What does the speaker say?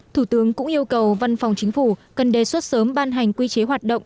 thủ tướng cũng yêu cầu văn phòng chính phủ cần đề xuất sớm ban hành quy chế hoạt động